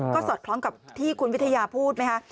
ก็สอดคล้องกับที่คุณวิทยาพูดไหมคะ